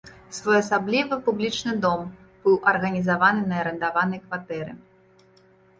Своеасаблівы публічны дом быў арганізаваны на арандаванай кватэры.